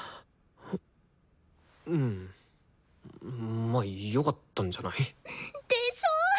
うんまあよかったんじゃない？でしょ！